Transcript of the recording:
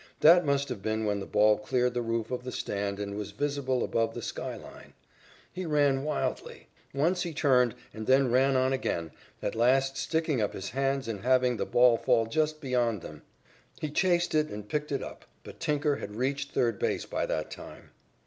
That must have been when the ball cleared the roof of the stand and was visible above the sky line. He ran wildly. Once he turned, and then ran on again, at last sticking up his hands and having the ball fall just beyond them. He chased it and picked it up, but Tinker had reached third base by that time.